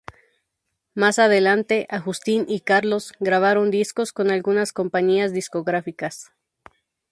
Más adelante Agustín y Carlos grabaron discos con algunas compañías discográficas.